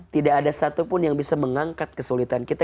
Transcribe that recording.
tidak ada satupun yang bisa mengangkat kesulitan kita